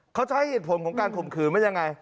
เขาจะให้เหตุผลของการข่มขืนว่ายังไง